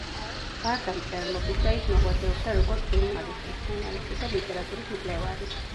გარდა მწერლობისა, ის მოღვაწეობდა როგორც ჟურნალისტი, სცენარისტი და ლიტერატურის მკვლევარი.